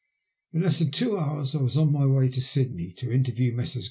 In less than two hours I was on my way to Sydney to interview Messrs.